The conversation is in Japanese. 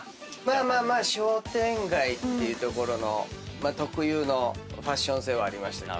まあまあ商店街っていう所の特有のファッション性はありましたけれど。